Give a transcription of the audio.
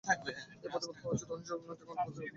এই প্রতিবাদ হওয়া উচিত অহিংস ও নৈতিক প্রতিবাদ।